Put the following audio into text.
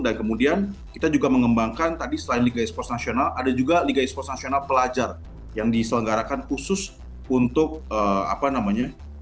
dan kemudian kita juga mengembangkan tadi selain liga esports nasional ada juga liga esports nasional pelajar yang diselenggarakan khusus untuk apa namanya